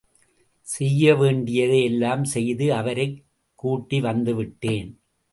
செய்யவேண்டியதை எல்லாம் செய்து—அவரைக் கூட்டி, வந்துவிட்டேன்.